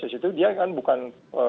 wawah ini dia yang penting